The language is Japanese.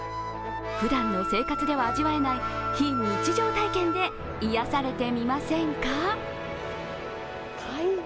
ふだんの生活では味わえない非日常体験で癒やされてみませんか？